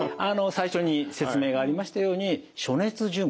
最初に説明がありましたように暑熱順化。